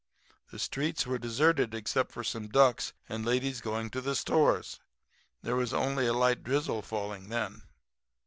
The streets were deserted except for some ducks and ladies going to the stores. There was only a light drizzle falling then.